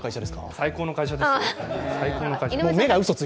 最高の会社です。